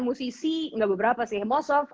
musisi enggak beberapa sih most of